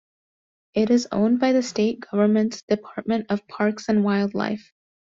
It is owned by the state government's Department of Parks and Wildlife.